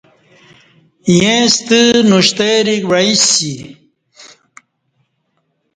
ییں ستہ نوشتیریک وعݩیسی